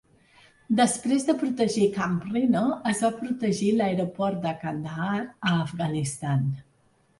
Després de protegir Camp Rhino, es va protegir l"Aeroport de Kandahar a Afghanistan.